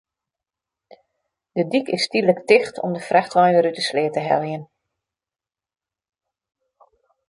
De dyk is tydlik ticht om de frachtwein wer út de sleat te heljen.